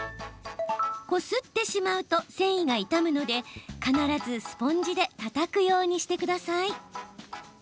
こすってしまうと繊維が傷むので必ずスポンジでたたくようにしてください。